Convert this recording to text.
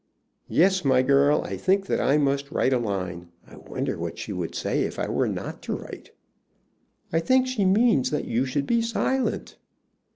Yes, my girl; I think that I must write a line. I wonder what she would say if I were not to write?" "I think she means that you should be silent."